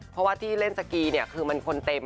เพราะว่าที่เล่นสกีเนี่ยคือมันคนเต็ม